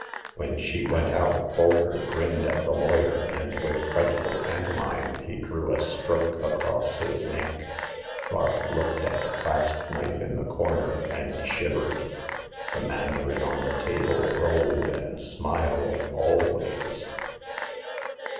When she went out, Bolker grinned at the lawyer and, with frightful pantomime, he drew a stroke across his neck. Vark looked at the clasp knife in the corner and shivered. The mandarin on the table rolled and smiled always.